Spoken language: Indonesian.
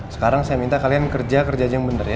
sekarang saya minta kalian kerja kerja aja yang bener ya